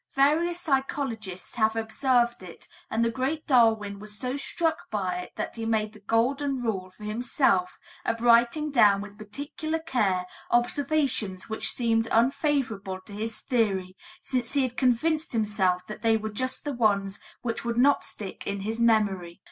Various psychologists have observed it, and the great Darwin was so struck by it that he made the "golden rule" for himself of writing down with particular care observations which seemed unfavorable to his theory, since he had convinced himself that they were just the ones which would not stick in his memory.